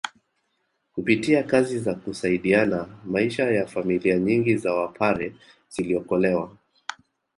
Kupitia kazi za kusaidiana maisha ya familia nyingi za Wapare ziliokolewa